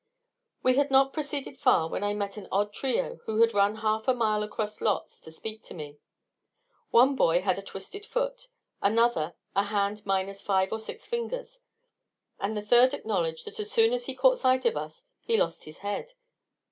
We had not proceeded far when I met an odd trio who had run half a mile across lots to speak to me. One boy had a twisted foot; another, a hand minus five or six fingers; and the third acknowledged that as soon as he caught sight of us he lost his head.